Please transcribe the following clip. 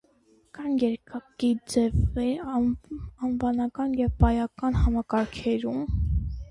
Կան երկակիի ձեեր (անվանական և բայական համակարգերում)։